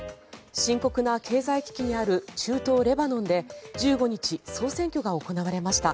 深刻な経済危機にある中東レバノンで１５日、総選挙が行われました。